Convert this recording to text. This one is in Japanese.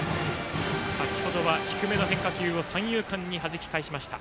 先程は低めの変化球を三遊間にはじき返しました。